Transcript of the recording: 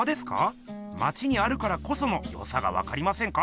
まちにあるからこそのよさがわかりませんか？